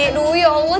aduh ya allah